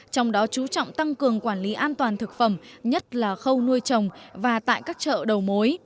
trong đó chú trọng tăng cường quản lý an toàn thực phẩm nhất là khâu nuôi trồng và tại các chợ đầu mối